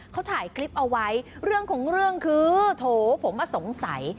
เขาถ่ายคลิปเอาไว้เรื่องของเรื่องคือโถผมมาสงสัย